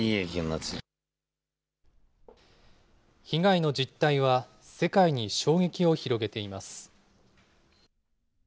被害の実態は世界に衝撃を広げています。